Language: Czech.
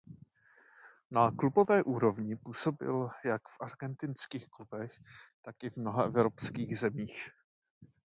Na klubové úrovni působil jak v argentinských klubech tak i v mnoha evropských zemích.